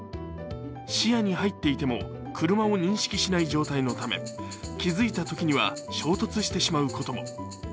視野に入っていても、車を認識しない状態のため気付いたときには衝突してしまうことも。